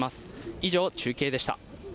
以上、中継でした。